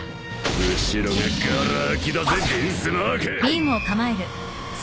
後ろががら空きだぜヴィンスモーク！